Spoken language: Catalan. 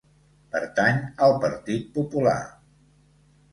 Pertany al Partit Popular.